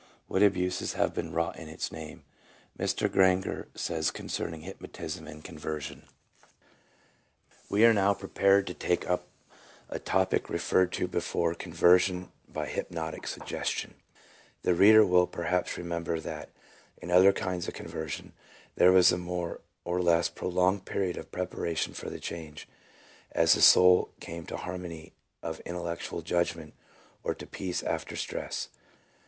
what abuses have been wrought in its name. Mr. Granger says concerning hypnotism and conversion :— J E, P. Starbuck, Psychology of Religion, p. 51. 3 14 PSYCHOLOGY OF ALCOHOLISM. " We are now prepared to take up a topic referred to before — conversion by hypnotic suggestion. The reader will perhaps remember that in other kinds of conversion there was a more or less prolonged period of preparation for the change, as the soul came to harmony of intellectual judgment, or to peace after stress.